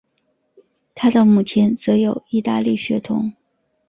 他的母亲则有意大利血统。